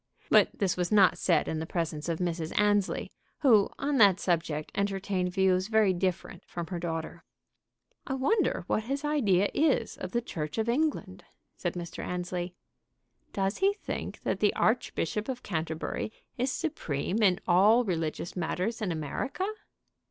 But this was not said in the presence of Mrs. Annesley, who on that subject entertained views very different from her daughter. "I wonder what his idea is of the Church of England?" said Mr. Annesley. "Does he think that the Archbishop of Canterbury is supreme in all religious matters in America?"